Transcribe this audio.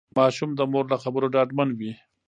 ماشوم د مور له خبرو ډاډمن وي.